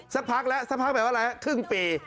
สักพักแล้วสักพักแบบว่าอะไรครึ่งปี